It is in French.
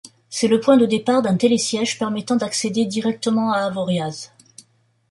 C'est le point de départ d'un télésiège permettant d'accéder directement à Avoriaz.